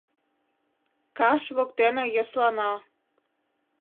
Каш воктене йӧслана.